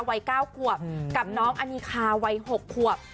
วัย๙ขวบกับน้องอนิคาวัย๖ขวบ